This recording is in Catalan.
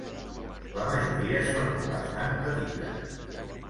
La majoria són bastant petites.